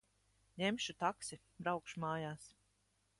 Ņemšu taksi. Braukšu mājās.